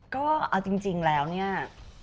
ก็เอาจริงแล้วเนี่ย